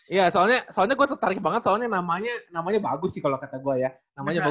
iya soalnya soalnya gue tertarik banget soalnya namanya bagus sih kalau kata gue ya namanya bagus